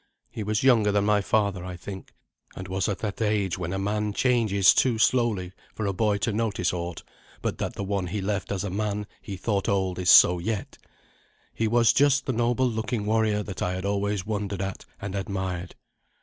He was younger than my father, I think, and was at that age when a man changes too slowly for a boy to notice aught but that the one he left as a man he thought old is so yet. He was just the noble looking warrior that I had always wondered at and admired.